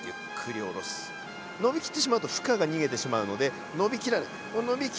伸びきってしまうと負荷が逃げてしまうので伸びきらない伸びきる